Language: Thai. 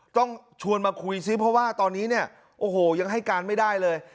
ต้องชวนมาคุยซิเพราะว่าตอนนี้เนี่ยโอ้โหยังให้การไม่ได้เลย